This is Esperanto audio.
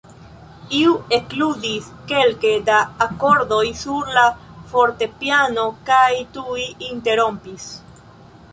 Iu ekludis kelke da akordoj sur la fortepiano kaj tuj interrompis.